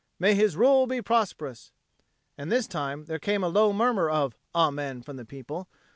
May his rule be prosperous!" And this time there came a low murmur of "Amen" from the people.